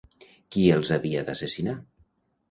Qui els havia d'assassinar?